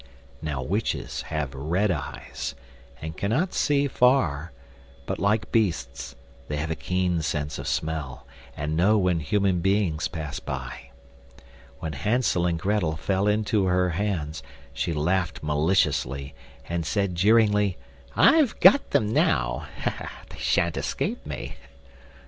Now witches have red eyes, and cannot see far, but, like beasts, they have a keen sense of smell, and know when human beings pass by. When Hansel and Grettel fell into her hands she laughed maliciously, and said jeeringly: "I've got them now; they sha'n't escape me."